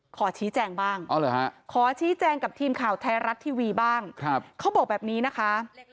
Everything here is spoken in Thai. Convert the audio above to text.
ขอชี้แจงบ้างขอชี้แจงกับทีมข่าวไทยรัฐทีวีบ้างเขาบอกแบบนี้นะคะ